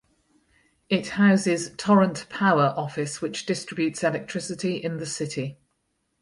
It houses Torrent Power office which distributes electricity in the city.